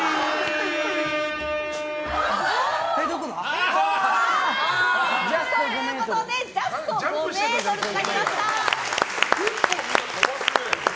あー！ということでジャスト５ｍとなりました。